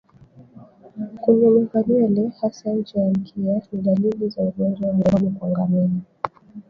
Kunyonyoka nywele hasa ncha ya mkia ni dalili za ugonjwa wa ndorobo kwa ngamia